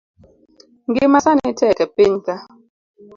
Ngima sani tek e piny ka